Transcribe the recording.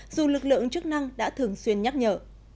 dù lực lượng chức năng đã thường xuyên nhắc nhở